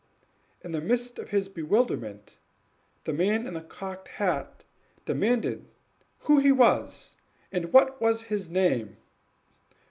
In the midst of his bewilderment, the man in the cocked hat demanded who he was, and what was his name?